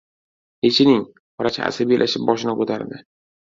— Yechining! — vrach asabiylashib boshini ko‘tardi.